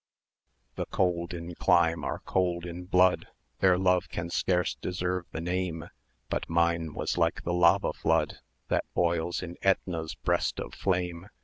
"The cold in clime are cold in blood, Their love can scarce deserve the name; 1100 But mine was like the lava flood That boils in Ætna's breast of flame.